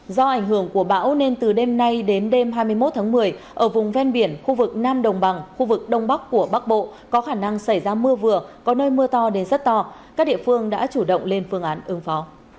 do ảnh hưởng của bão nên từ đêm nay đến đêm hai mươi một tháng một mươi ở vùng ven biển khu vực nam đồng bằng khu vực đông bắc của bắc bộ có khả năng xảy ra mưa vừa có nơi mưa to đến rất to các địa phương đã chủ động lên phương án ứng phó